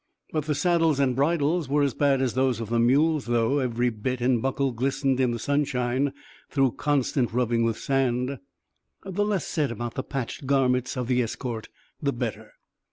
But the saddles and bridles were as bad as those of the mules, though every bit and buckle glistened in the sunshine through constant rubbing with sand. The less said about the patched garments of the escort the better.